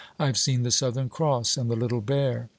I have seen the Southern Cross and the Little Bear.